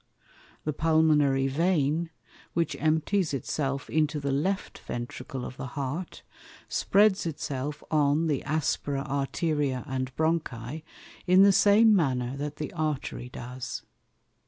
The Pulmonary Vein, which empties itself into the Left Ventricle of the Heart, spreads it self on the Aspera Arteria and Bronchi, in the same manner that the Artery does.